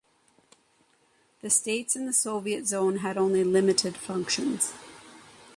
The states in the Soviet zone had only limited functions.